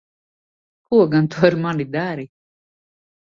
Ko gan tu ar mani dari?